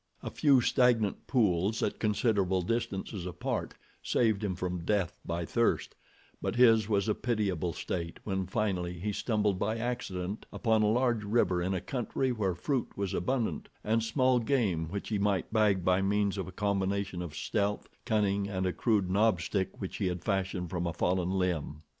A few stagnant pools at considerable distances apart saved him from death by thirst; but his was a pitiable state when finally he stumbled by accident upon a large river in a country where fruit was abundant, and small game which he might bag by means of a combination of stealth, cunning, and a crude knob stick which he had fashioned from a fallen limb.